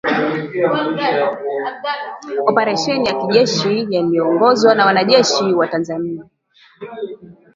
oparesheni ya kijeshi yaliyoongozwa na wanajeshi wa Tanzania